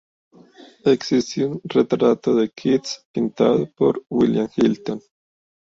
Existe un retrato de Keats pintado por William Hilton.